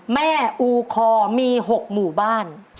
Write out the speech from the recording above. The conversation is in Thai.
แม่อูคอมี๖หมู่บ้าน